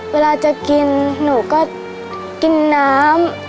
เวลาจะกินหนูก็กินน้ำ